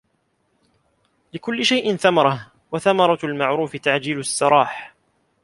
لِكُلِّ شَيْءٍ ثَمَرَةٌ وَثَمَرَةُ الْمَعْرُوفِ تَعْجِيلُ السَّرَاحِ